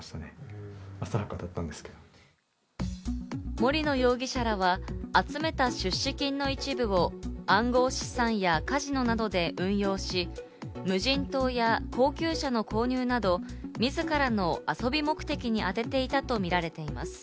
森野容疑者らは集めた出資金の一部を暗号資産やカジノなどで運用し、無人島や高級車の購入など、自らの遊び目的にあてていたとみられています。